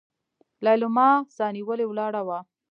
ليلما سانيولې ولاړه وه.